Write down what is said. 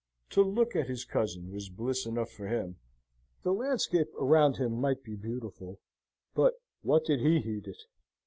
To look at his cousin was bliss enough for him. The landscape around him might be beautiful, but what did he heed it?